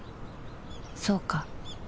そうか